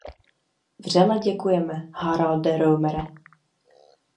Vřele děkujeme, Haralde Rømere.